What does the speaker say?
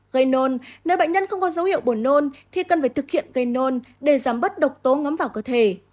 một gây nôn nếu bệnh nhân không có dấu hiệu bổ nôn thì cần phải thực hiện gây nôn để giảm bớt độc tố ngắm vào cơ thể